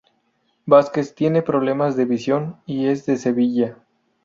Vázquez tiene problemas de visión y es de Sevilla.